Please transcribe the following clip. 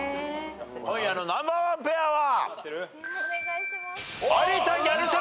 今夜のナンバーワンペアは！